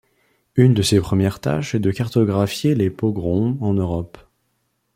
Une de ses premières tâches est de cartographier les pogroms en Europe.